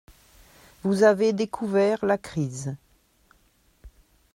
Vous avez découvert la crise.